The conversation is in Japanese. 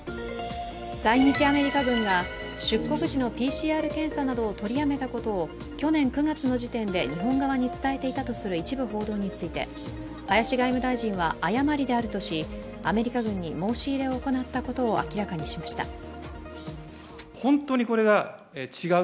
在日アメリカ軍が出国時のＰＣＲ検査などを取りやめたことを去年９月の時点で日本側に伝えていたとする一部報道について林外務大臣は誤りであるとしアメリカ軍に申し入れを行ったことを明らかにしました。